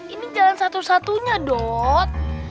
ini jalan satu satunya dok